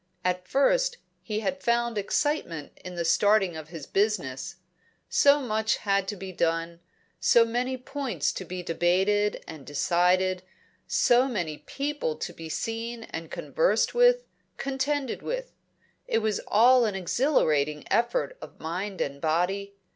At first, he had found excitement in the starting of his business; so much had to be done, so many points to be debated and decided, so many people to be seen and conversed with, contended with; it was all an exhilarating effort of mind and body.